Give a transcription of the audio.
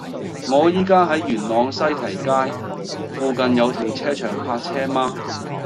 我依家喺元朗西堤街，附近有停車場泊車嗎